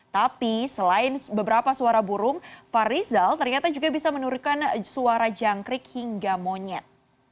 tapi selain beberapa suara burung fahrizal ternyata juga bisa menurutkan suara jangkrik hingga monyet